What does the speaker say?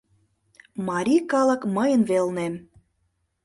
Марий калык мыйын велнем.